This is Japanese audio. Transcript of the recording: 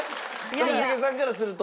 一茂さんからすると。